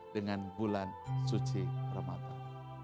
dengan bulan suci ramadhan